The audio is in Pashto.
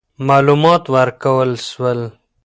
معلومات ورکول سول.